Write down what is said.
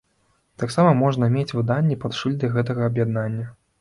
Таксама можна мець выданні пад шыльдай гэтага аб'яднання.